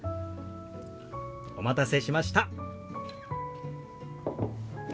お待たせしました。